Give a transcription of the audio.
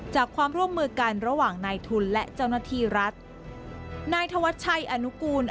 จากความร่วมมือกันระหว่างนายทุนและเจ้าหน้าที่รัฐนายธวัชชัยอนุกูล